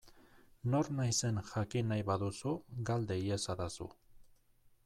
Nor naizen jakin nahi baduzu, galde iezadazu.